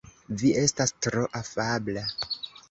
Vi estas tro afabla.